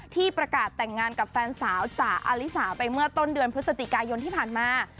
ที่ประกาศแต่งงานกับแฟนสาวจ๋าอลิสาไปเมื่อต้นเดือนพฤศจิกายนที่ผ่านมา